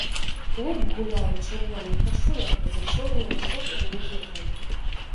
Клуб гуляе ў чырвоных кашулях з чорнымі шортамі і гетрамі.